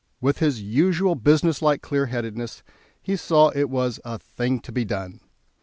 With his usual businesslike clear headedness, he saw it was "a thing to be done."